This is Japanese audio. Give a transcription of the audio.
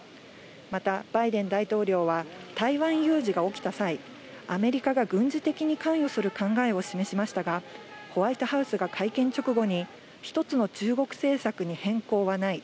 また、バイデン大統領は、台湾有事が起きた際、アメリカが軍事的に関与する考えを示しましたが、ホワイトハウスが会見直後に、一つの中国政策に変更はない。